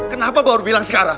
kenapa baru bilang sekarang